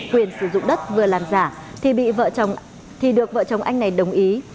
quyền sử dụng đất vừa làm giả thì được vợ chồng anh này đồng ý